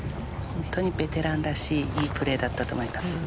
本当にベテランらしい良いプレーだったと思います。